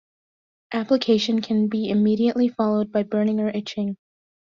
Application can be immediately followed by burning or itching.